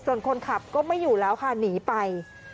ส่วนคนขับก็ไม่อยู่แล้วค่ะหนีไป